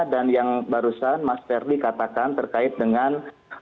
dan yang barusan mas ferdy katakan terkait dengan